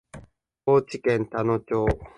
高知県田野町